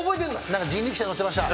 何か人力車乗ってました。